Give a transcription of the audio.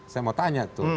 saya mau tanya tuh